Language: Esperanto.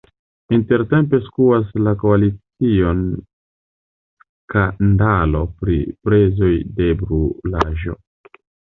Intertempe skuas la koalicion skandalo pri prezoj de brulaĵo.